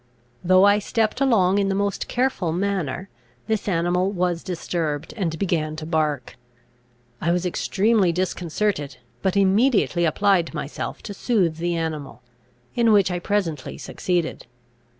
Though I stepped along in the most careful manner, this animal was disturbed, and began to bark. I was extremely disconcerted, but immediately applied myself to soothe the animal, in which I presently succeeded.